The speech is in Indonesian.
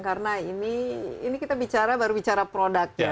karena ini kita bicara baru bicara produk ya